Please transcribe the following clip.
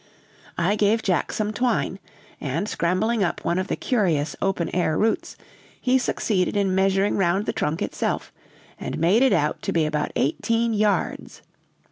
"I gave Jack some twine, and scrambling up one of the curious open air roots, he succeeded in measuring round the trunk itself, and made it out to be about eighteen yards.